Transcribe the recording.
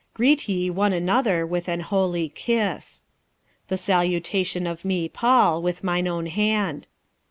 Greet ye one another with an holy kiss. 46:016:021 The salutation of me Paul with mine own hand.